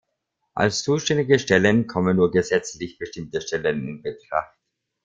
Als zuständige Stellen kommen nur gesetzlich bestimmte Stellen in Betracht.